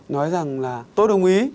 nói rằng là tôi đồng ý